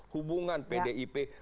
hubungan pdip dengan ibu mega sangat baik